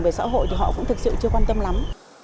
về xã hội thì họ cũng thực sự chưa quan tâm lắm